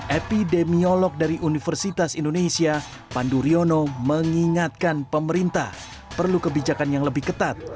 epidemiolog dari universitas indonesia pandu riono mengingatkan pemerintah perlu kebijakan yang lebih ketat